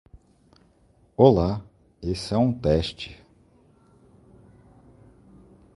Olá, esse é um teste